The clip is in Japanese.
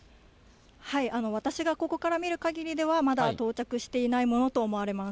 私がここから見るかぎりでは、まだ到着していないものと思われます。